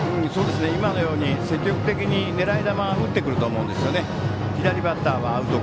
今のように積極的に狙い球を打ってくると思うんですね。